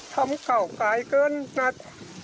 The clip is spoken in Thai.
ทำข่าวไกลเกินนัด